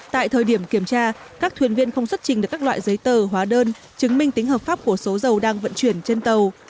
tại thời điểm kiểm tra các thuyền viên không xuất trình được các loại giấy tờ hóa đơn chứng minh tính hợp pháp của số dầu đang vận chuyển trên tàu